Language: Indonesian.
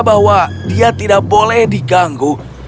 bahwa dia tidak boleh diganggu